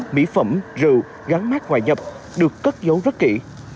mỹ phẩm rượu gắn mát ngoại nhập được cất dấu rất kỹ